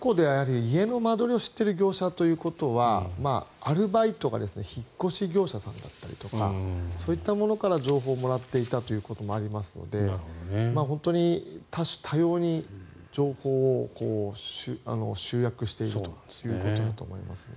家の間取りを知っている業者ということはアルバイトが引っ越し業者さんだったりとかそういうところから情報をもらっていたということもありますので多種多様に情報を集約しているということだと思います。